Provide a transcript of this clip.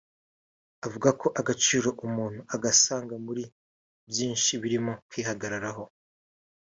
Avuga ko agaciro umuntu agasanga muri byinshi birimo ukwihagararaho